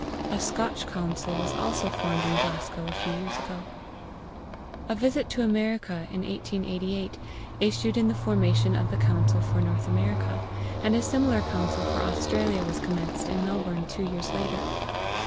A Scotch Council was also formed in Glasgow a few years ago. A visit to America in 1888 issued in the formation of the Council for North America, and a similar Council for Australasia was commenced in Melbourne two years later.